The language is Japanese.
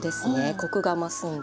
コクが増すので。